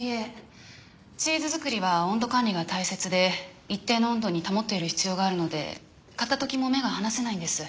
いえチーズ作りは温度管理が大切で一定の温度に保っている必要があるので片時も目が離せないんです。